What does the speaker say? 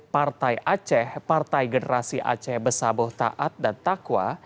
partai aceh partai generasi aceh besaboh taat dan takwa